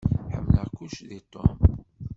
Ḥemmleɣ kullec deg Tom.